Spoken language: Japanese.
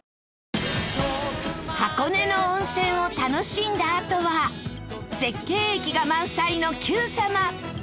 箱根の温泉を楽しんだあとは絶景駅が満載の『Ｑさま！！』。